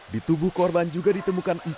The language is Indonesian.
di tubuh korban juga ditemukan empat orang